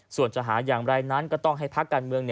ส่วนจะหาอย่างไรนั้นก็ต้องให้พักการเมือง